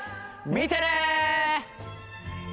見てね！